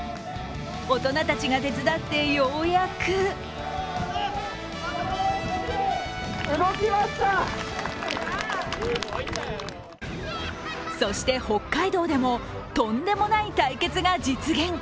大人たちが手伝ってようやくそして北海道でもとんでもない対決が実現。